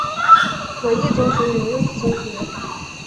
左翼宗学与右翼宗学。